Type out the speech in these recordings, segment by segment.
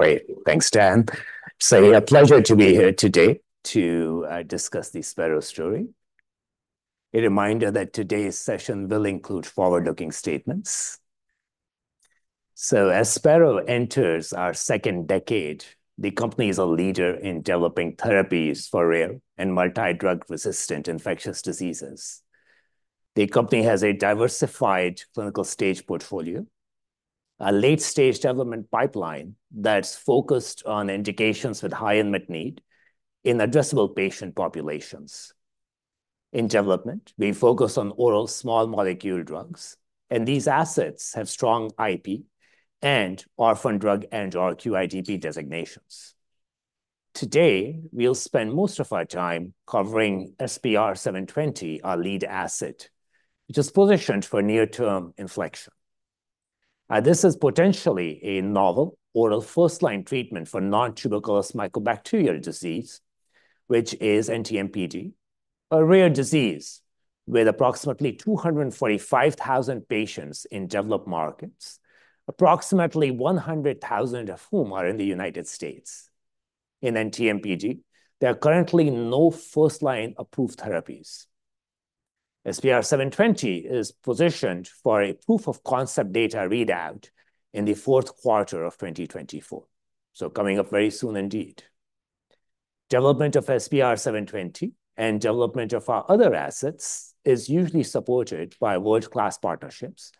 Great. Thanks, Dan. So a pleasure to be here today to discuss the Spero story. A reminder that today's session will include forward-looking statements. So as Spero enters our second decade, the company is a leader in developing therapies for rare and multi-drug resistant infectious diseases. The company has a diversified clinical-stage portfolio, a late-stage development pipeline that's focused on indications with high unmet need in addressable patient populations. In development, we focus on oral small molecule drugs, and these assets have strong IP and orphan drug and/or QIDP designations. Today, we'll spend most of our time covering SPR720, our lead asset, which is positioned for near-term inflection. This is potentially a novel oral first-line treatment for Nontuberculous Mycobacterial disease, which is NTM-PD, a rare disease with approximately 245,000 patients in developed markets, approximately 100,000 of whom are in the United States. In NTM-PD, there are currently no first-line approved therapies. SPR720 is positioned for a proof of concept data readout in the fourth quarter of 2024, so coming up very soon indeed. Development of SPR720 and development of our other assets is usually supported by world-class partnerships.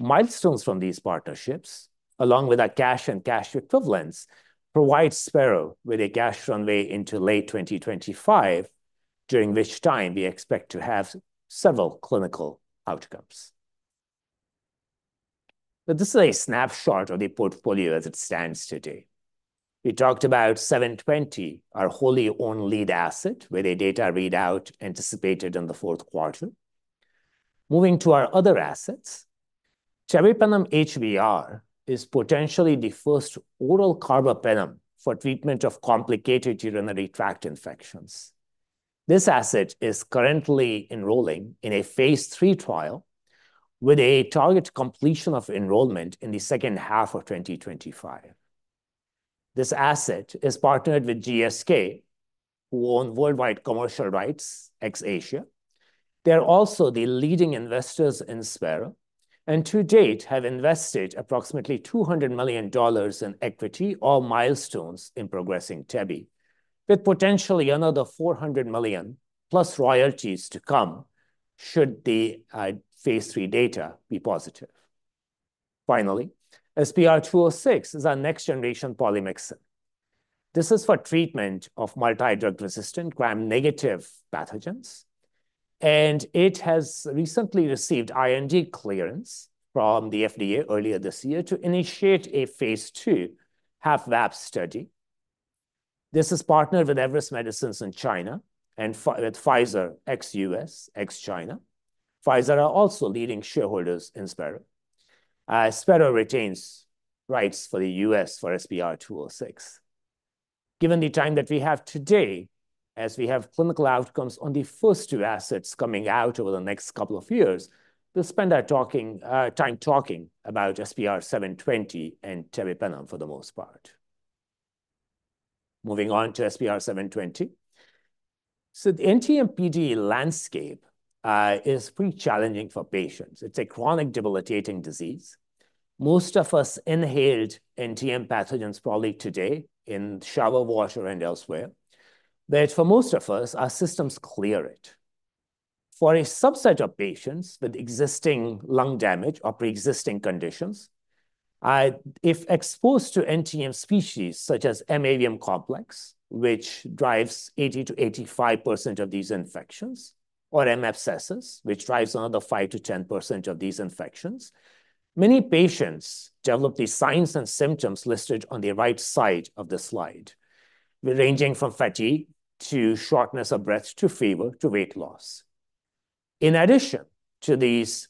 Milestones from these partnerships, along with our cash and cash equivalents, provide Spero with a cash runway into late 2025, during which time we expect to have several clinical outcomes. But this is a snapshot of the portfolio as it stands today. We talked about SPR720, our wholly owned lead asset, with a data readout anticipated in the fourth quarter. Moving to our other assets, Tebipenem HBr is potentially the first oral carbapenem for treatment of complicated urinary tract infections. This asset is currently enrolling in a phase III trial, with a target completion of enrollment in the second half of 2025. This asset is partnered with GSK, who own worldwide commercial rights, ex-Asia. They're also the leading investors in Spero, and to date have invested approximately $200 million in equity or milestones in progressing Tebi, with potentially another $400 million plus royalties to come, should the phase III data be positive. Finally, SPR206 is our next-generation polymyxin. This is for treatment of multi-drug resistant Gram-negative pathogens, and it has recently received IND clearance from the FDA earlier this year to initiate a phase II HAP/VAP study. This is partnered with Everest Medicines in China and with Pfizer, ex-U.S., ex-China. Pfizer are also leading shareholders in Spero. Spero retains rights for the U.S. for SPR206. Given the time that we have today, as we have clinical outcomes on the first two assets coming out over the next couple of years, we'll spend our talking time talking about SPR720 and Tebipenem for the most part. Moving on to SPR720. So the NTM-PD landscape is pretty challenging for patients. It's a chronic, debilitating disease. Most of us inhaled NTM pathogens probably today in shower water and elsewhere, but for most of us, our systems clear it. For a subset of patients with existing lung damage or pre-existing conditions, if exposed to NTM species such as M. avium complex, which drives 80%-85% of these infections, or M. abscessus, which drives another 5%-10% of these infections, many patients develop the signs and symptoms listed on the right side of the slide, ranging from fatigue to shortness of breath, to fever, to weight loss. In addition to these,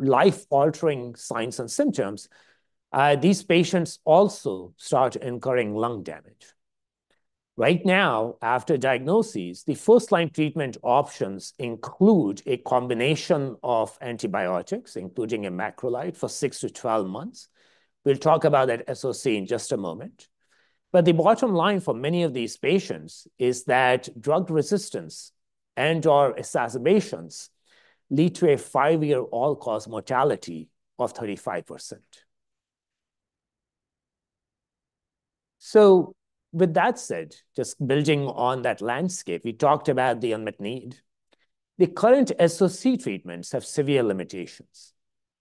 life-altering signs and symptoms, these patients also start incurring lung damage. Right now, after diagnosis, the first-line treatment options include a combination of antibiotics, including a macrolide, for 6-12 months. We'll talk about that SOC in just a moment. But the bottom line for many of these patients is that drug resistance and/or exacerbations lead to a five-year all-cause mortality of 35%. So with that said, just building on that landscape, we talked about the unmet need. The current SOC treatments have severe limitations,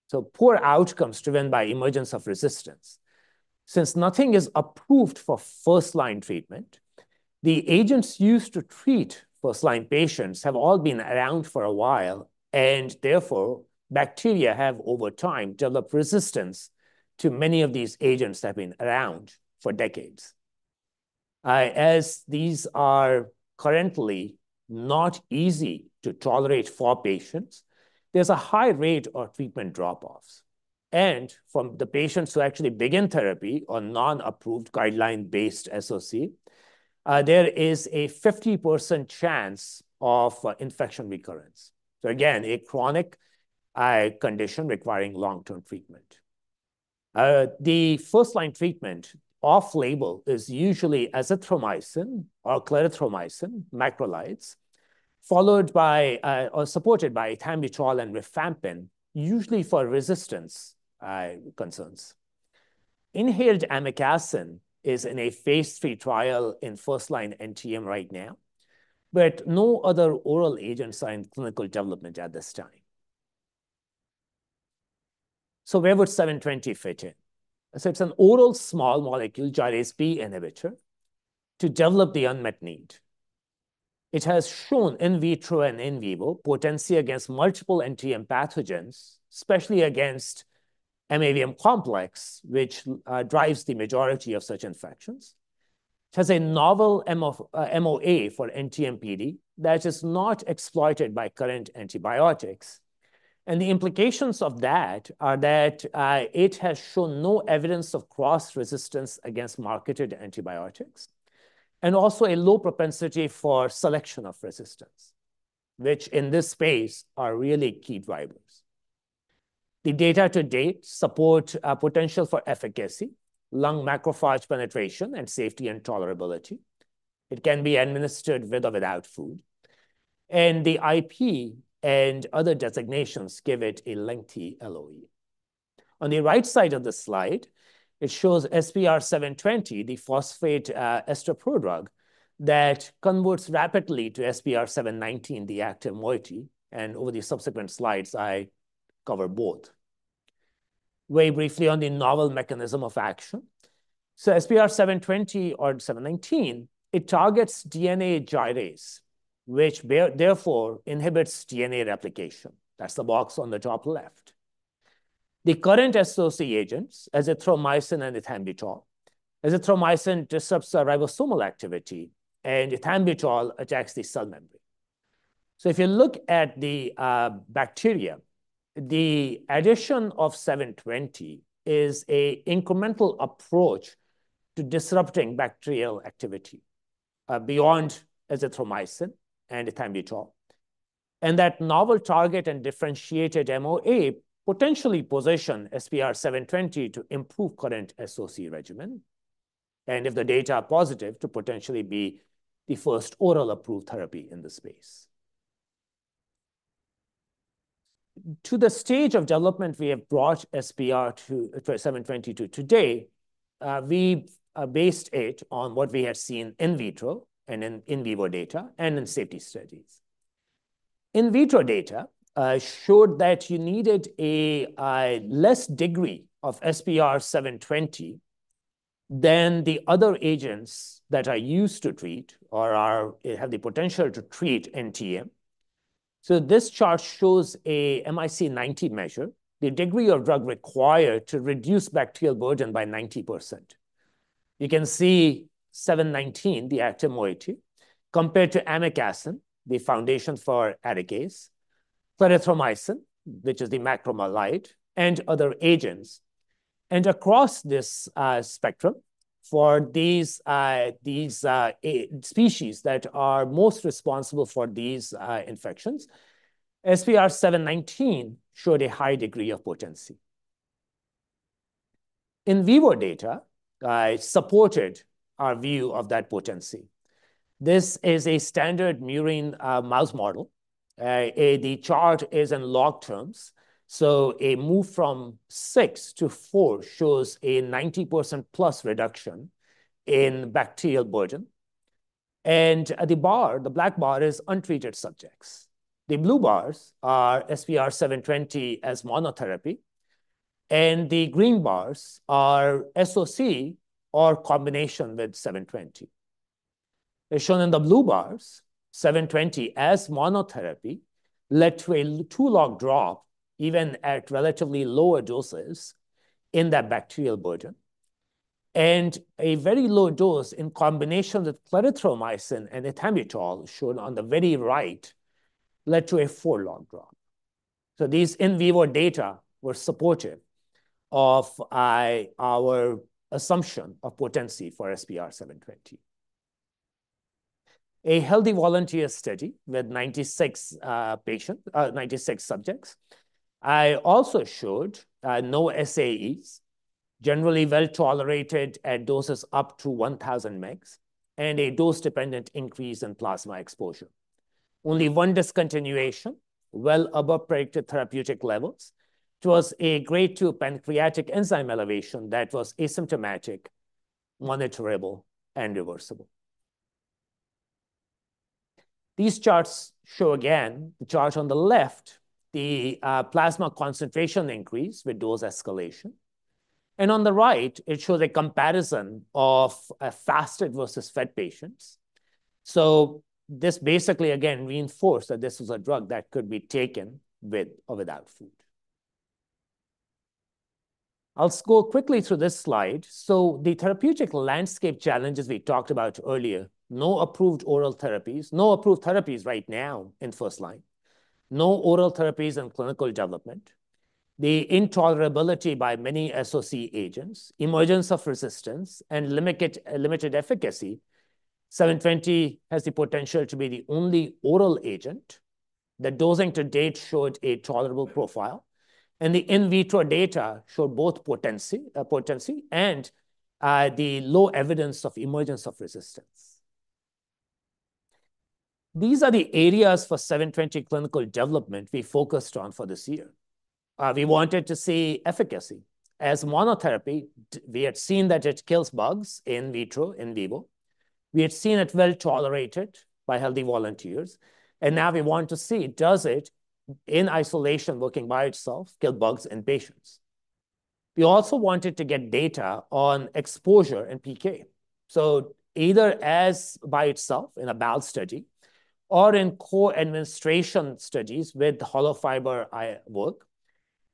so poor outcomes driven by emergence of resistance. Since nothing is approved for first-line treatment, the agents used to treat first-line patients have all been around for a while, and therefore, bacteria have over time developed resistance to many of these agents that have been around for decades. As these are currently not easy to tolerate for patients, there's a high rate of treatment drop-offs, and from the patients who actually begin therapy on non-approved, guideline-based SOC, there is a 50% chance of infection recurrence. So again, a condition requiring long-term treatment. The first-line treatment off-label is usually azithromycin or clarithromycin macrolides, followed by, or supported by ethambutol and rifampin, usually for resistance concerns. Inhaled amikacin is in a phase three trial in first-line NTM right now, but no other oral agents are in clinical development at this time. Where would SPR720 fit in? It's an oral small molecule gyrase B inhibitor to develop the unmet need. It has shown in vitro and in vivo potency against multiple NTM pathogens, especially against M. avium complex, which drives the majority of such infections. It has a novel MOA for NTM PD that is not exploited by current antibiotics, and the implications of that are that it has shown no evidence of cross-resistance against marketed antibiotics, and also a low propensity for selection of resistance, which in this space are really key drivers. The data to date support a potential for efficacy, lung macrophage penetration, and safety and tolerability. It can be administered with or without food, and the IP and other designations give it a lengthy LOE. On the right side of the slide, it shows SPR720, the phosphate ester prodrug that converts rapidly to SPR719, the active moiety, and over the subsequent slides, I cover both. Very briefly on the novel mechanism of action. So SPR720 or SPR719, it targets DNA gyrase, which thereby inhibits DNA replication. That's the box on the top left. The current SOC agents, azithromycin and ethambutol. Azithromycin disrupts ribosomal activity, and ethambutol attacks the cell membrane. So if you look at the bacteria, the addition of SPR720 is an incremental approach to disrupting bacterial activity beyond azithromycin and ethambutol. That novel target and differentiated MOA potentially position SPR720 to improve current SOC regimen, and if the data are positive, to potentially be the first oral approved therapy in this space. To the stage of development, we have brought SPR720 to today, we based it on what we have seen in vitro and in vivo data and in safety studies. In vitro data showed that you needed a less degree of SPR720 than the other agents that are used to treat or have the potential to treat NTM. So this chart shows a MIC90 measure, the degree of drug required to reduce bacterial burden by 90%. You can see SPR719, the active moiety, compared to amikacin, the foundation for Arikayce, clarithromycin, which is the macrolide, and other agents. Across this spectrum, for these species that are most responsible for these infections, SPR719 showed a high degree of potency. In vivo data supported our view of that potency. This is a standard murine mouse model. The chart is in log terms, so a move from six to four shows a 90%+ reduction in bacterial burden, and the bar, the black bar, is untreated subjects. The blue bars are SPR720 as monotherapy, and the green bars are SOC or combination with 720. As shown in the blue bars, 720 as monotherapy led to a two-log drop, even at relatively lower doses in that bacterial burden, and a very low dose in combination with clarithromycin and ethambutol, shown on the very right, led to a four-log drop. These in vivo data were supportive of our assumption of potency for SPR720. A healthy volunteer study with 96 subjects also showed no SAEs, generally well-tolerated at doses up to 1,000 mgs, and a dose-dependent increase in plasma exposure. Only one discontinuation, well above predicted therapeutic levels, was a grade two pancreatic enzyme elevation that was asymptomatic, monitorable, and reversible. These charts show, again, the chart on the left, the plasma concentration increase with dose escalation, and on the right, it shows a comparison of fasted versus fed patients. So this basically, again, reinforced that this was a drug that could be taken with or without food. I'll scroll quickly through this slide. So the therapeutic landscape challenges we talked about earlier, no approved oral therapies, no approved therapies right now in first line, no oral therapies in clinical development. The intolerability by many SOC agents, emergence of resistance, and limited efficacy, seven twenty has the potential to be the only oral agent. The dosing to date showed a tolerable profile, and the in vitro data showed both potency and the low evidence of emergence of resistance. These are the areas for 720 clinical development we focused on for this year. We wanted to see efficacy as monotherapy. We had seen that it kills bugs in vitro, in vivo. We had seen it well tolerated by healthy volunteers, and now we want to see, does it, in isolation, working by itself, kill bugs in patients? We also wanted to get data on exposure and PK. So either as by itself in a hollow-fiber study or in co-administration studies with hollow-fiber work,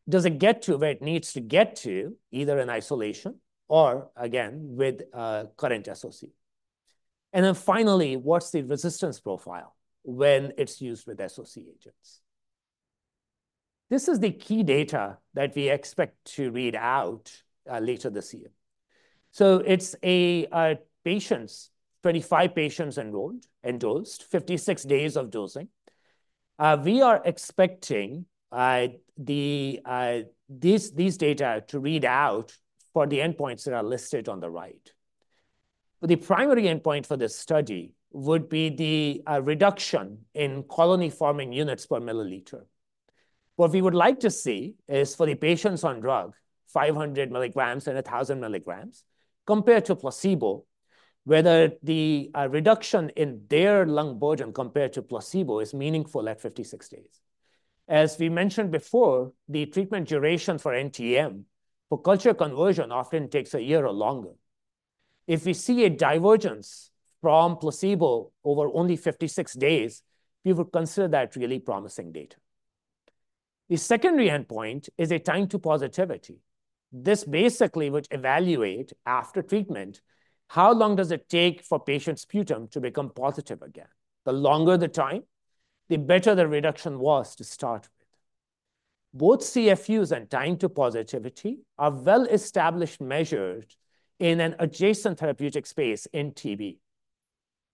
does it get to where it needs to get to, either in isolation or, again, with current SOC? And then finally, what's the resistance profile when it's used with SOC agents? This is the key data that we expect to read out later this year. So it's 25 patients enrolled and dosed, 56 days of dosing. We are expecting these data to read out for the endpoints that are listed on the right. The primary endpoint for this study would be the reduction in colony-forming units per milliliter. What we would like to see is for the patients on drug, 500 milligrams and 1,000 milligrams, compared to placebo, whether the reduction in their lung burden compared to placebo is meaningful at 56 days. As we mentioned before, the treatment duration for NTM for culture conversion often takes a year or longer. If we see a divergence from placebo over only 56 days, we would consider that really promising data. The secondary endpoint is a time to positivity. This basically would evaluate, after treatment, how long does it take for patients' sputum to become positive again? The longer the time, the better the reduction was to start with. Both CFUs and time to positivity are well-established measures in an adjacent therapeutic space in TB.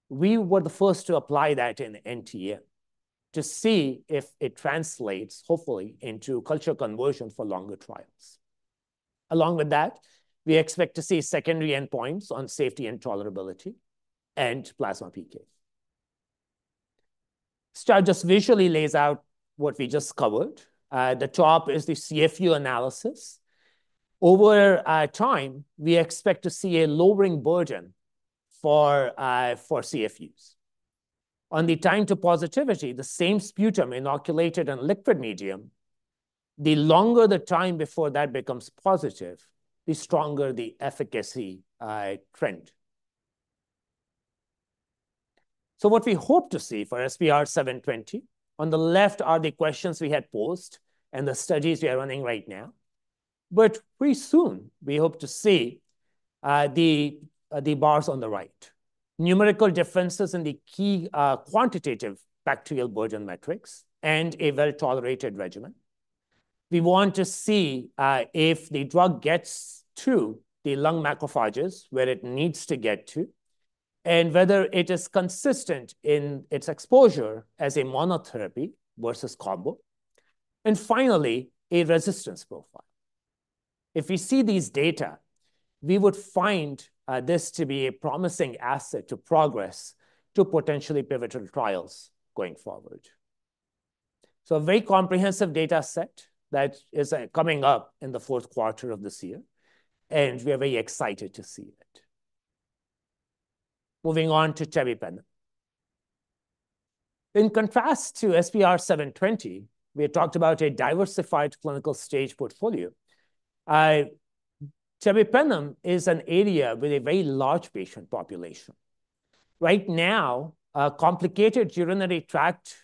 We were the first to apply that in NTM to see if it translates, hopefully, into culture conversion for longer trials. Along with that, we expect to see secondary endpoints on safety and tolerability and plasma PK. This chart just visually lays out what we just covered. The top is the CFU analysis. Over time, we expect to see a lowering burden for CFUs. On the time to positivity, the same sputum inoculated in liquid medium, the longer the time before that becomes positive, the stronger the efficacy trend. So what we hope to see for SPR720, on the left are the questions we had posed and the studies we are running right now. But pretty soon, we hope to see the bars on the right. Numerical differences in the key quantitative bacterial burden metrics and a well tolerated regimen. We want to see if the drug gets to the lung macrophages, where it needs to get to, and whether it is consistent in its exposure as a monotherapy versus combo, and finally, a resistance profile. If we see these data, we would find this to be a promising asset to progress to potentially pivotal trials going forward, so a very comprehensive data set that is coming up in the fourth quarter of this year, and we are very excited to see it. Moving on to Tebipenem. In contrast to SPR720, we had talked about a diversified clinical stage portfolio. Tebipenem is an area with a very large patient population. Right now, complicated urinary tract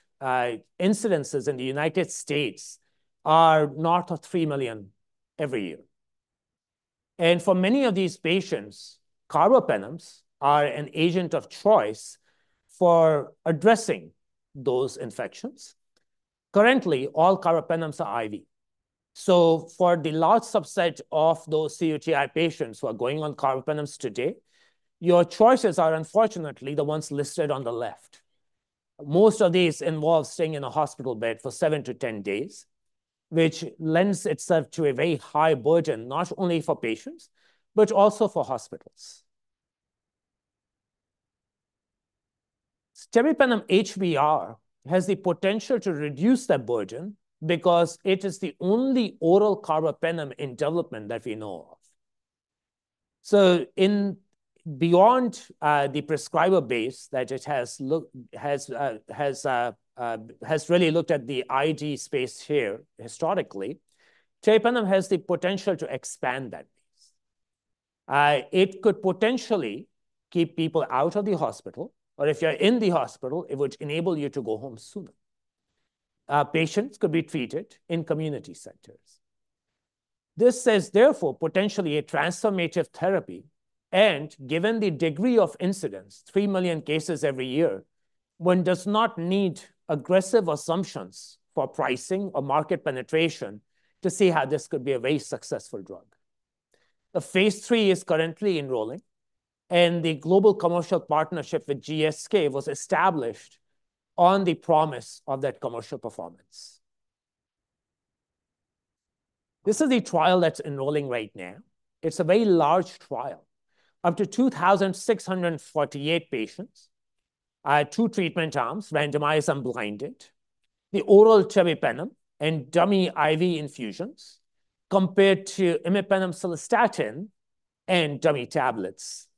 infections in the United States are north of three million every year. For many of these patients, carbapenems are an agent of choice for addressing those infections. Currently, all carbapenems are IV. For the large subset of those CUTI patients who are going on carbapenems today, your choices are unfortunately the ones listed on the left. Most of these involve staying in a hospital bed for seven to 10 days, which lends itself to a very high burden, not only for patients, but also for hospitals. Tebipenem HBr has the potential to reduce that burden because it is the only oral carbapenem in development that we know of. Beyond the prescriber base that it has really looked at the ID space here historically, Tebipenem HBr has the potential to expand that base. It could potentially keep people out of the hospital, or if you're in the hospital, it would enable you to go home sooner. Patients could be treated in community centers. This is therefore potentially a transformative therapy, and given the degree of incidence, three million cases every year, one does not need aggressive assumptions for pricing or market penetration to see how this could be a very successful drug. The phase III is currently enrolling, and the global commercial partnership with GSK was established on the promise of that commercial performance. This is the trial that's enrolling right now. It's a very large trial. Up to 2,648 patients, two treatment arms, randomized and blinded, the oral tebipenem and dummy IV infusions, compared to imipenem/cilastatin and dummy tablets.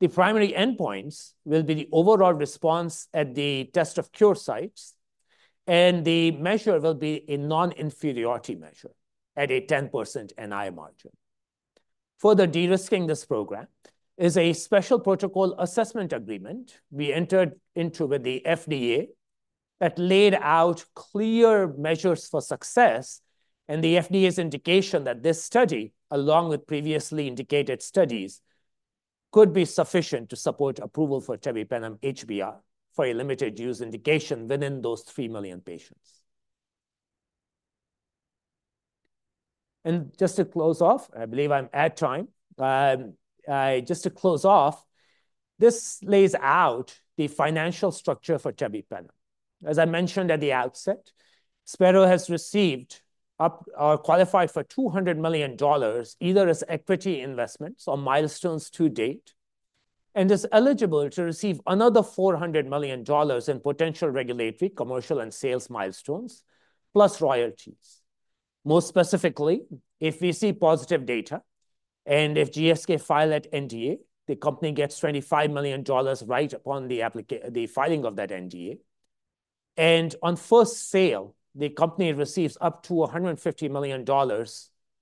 The primary endpoints will be the overall response at the test of cure sites, and the measure will be a non-inferiority measure at a 10% NI margin. Further de-risking this program is a special protocol assessment agreement we entered into with the FDA that laid out clear measures for success, and the FDA's indication that this study, along with previously indicated studies, could be sufficient to support approval for Tebipenem HBr for a limited use indication within those 3 million patients. Just to close off, I believe I'm at time. This lays out the financial structure for tebipenem. As I mentioned at the outset, Spero has received up or qualified for $200 million, either as equity investments or milestones to date, and is eligible to receive another $400 million in potential regulatory, commercial, and sales milestones, plus royalties. More specifically, if we see positive data and if GSK file that NDA, the company gets $25 million right upon the filing of that NDA. On first sale, the company receives up to $150 million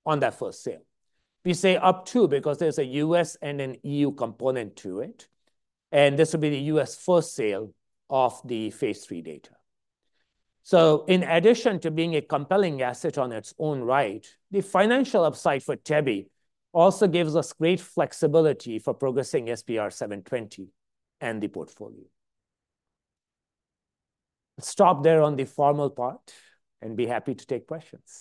on that first sale. We say up to because there's a U.S. and an EU component to it, and this will be the U.S. first sale of the phase three data. In addition to being a compelling asset on its own right, the financial upside for Tebi also gives us great flexibility for progressing SPR720 and the portfolio. Stop there on the formal part and be happy to take questions.